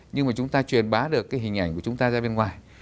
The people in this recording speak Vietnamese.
nhưng mà chúng ta truyền bá được cái hình ảnh của chúng ta ra bên ngoài